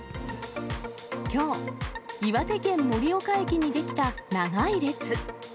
きょう、岩手県盛岡駅に出来た長い列。